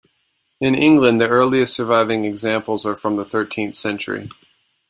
In England the earliest surviving examples are from the thirteenth century.